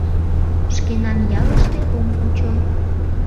Шкенан ялыште ом кучо.